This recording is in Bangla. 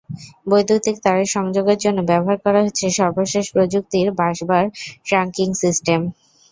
বৈদ্যুতিক তারের সংযোগের জন্য ব্যবহার করা হয়েছে সর্বশেষ প্রযুক্তির বাসবার ট্রাংকিং সিস্টেম।